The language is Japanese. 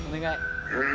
うん。